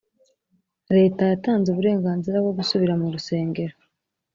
leta yatanze uburenganzira bwo gusubira mu rusengero